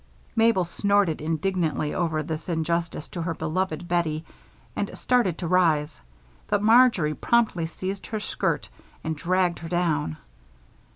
Mabel snorted indignantly over this injustice to her beloved Bettie and started to rise, but Marjory promptly seized her skirt and dragged her down.